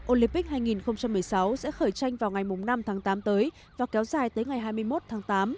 olympic hai nghìn một mươi sáu sẽ khởi tranh vào ngày năm tháng tám tới và kéo dài tới ngày hai mươi một tháng tám